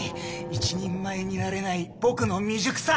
一人前になれない僕の未熟さ」。